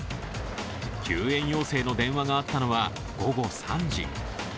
救援要請の電話があったのは午後３時。